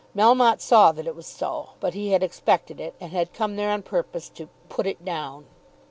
Melmotte saw that it was so; but he had expected it, and had come there on purpose to "put it down."